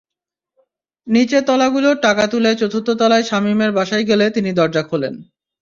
নিচের তলাগুলোর টাকা তুলে চতুর্থ তলায় শামিমের বাসায় গেলে তিনি দরজা খোলেন।